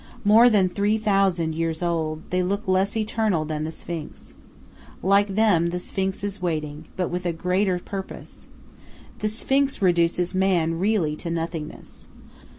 More than three thousand years old, they look less eternal than the Sphinx. Like them, the Sphinx is waiting, but with a greater purpose. The Sphinx reduces man really to nothingness.